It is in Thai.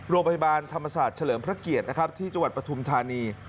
โรงพยาบาลธรรมศาสตร์เฉลิมพระเกียรตินะครับที่จังหวัดปฐุมธานี